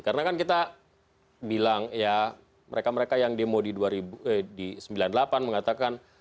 karena kan kita bilang ya mereka mereka yang demo di sembilan puluh delapan mengatakan